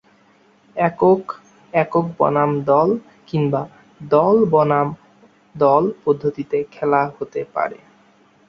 একক, একক বনাম দল, কিংবা দল বনাম দল পদ্ধতিতে খেলা হতে পারে।